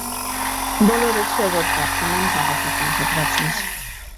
Բոլորը չէ, որ կարդում են քաղաքական հոդվածներ։